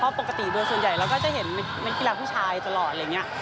เพราะปกติโดยส่วนใหญ่เราก็จะเห็นนักกีฬาผู้ชายตลอดอะไรอย่างนี้